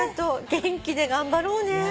元気で頑張ろうね。